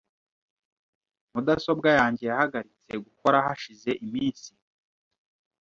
Mudasobwa yanjye yahagaritse gukora hashize iminsi.